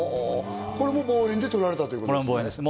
これも望遠で撮られたってことですね。